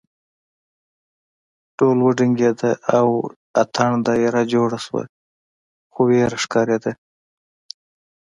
ډول وډنګېد او اتڼ دایره جوړه شوه خو وېره ښکارېده.